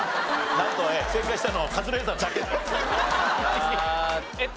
なんと正解したのはカズレーザーだけと。